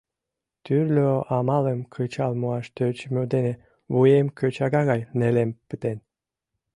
Тӱрлӧ амалым кычал муаш тӧчымӧ дене вуем кӧчага гай нелем пытен.